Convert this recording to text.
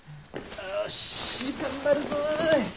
よし頑張るぞ！